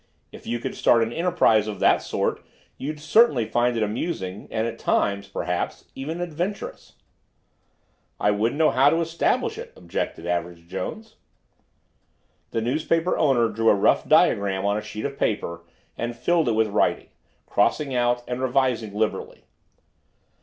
If you could start an enterprise of that sort, you'd certainly find it amusing, and, at times, perhaps, even adventurous." "I wouldn't know how to establish it," objected Average Jones. The newspaper owner drew a rough diagram on a sheet of paper and filled it in with writing, crossing out and revising liberally.